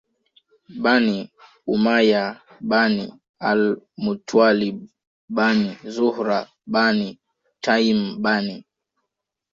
Bani Umayyah Bani al Muttwalib Bani Zuhrah Bani Taym Bani